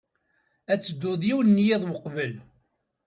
Ad teddud yiwen n yiḍ uqbel.